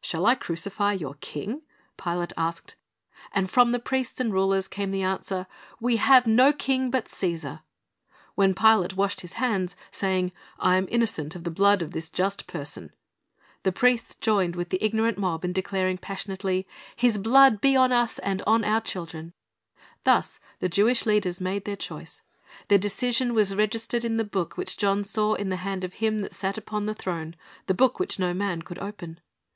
"Shall I crucify your king?" Pilate asked, and from the priests and rulers came the answer, "We have no king but Caesar." When Pilate washed his hands, saying, "I am innocent of the blood of this just person," the priests joined with the ignorant mob in declaring passionately, "His blood be on us, and on our children."^ Thus the Jewish leaders made their choice. Their decision was registered in the book which John saw in the hand of Him that sat upon the throne, the book which no man could open.